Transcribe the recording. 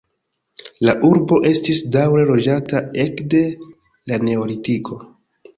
La urbo estis daŭre loĝata ekde la neolitiko.